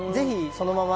このまま？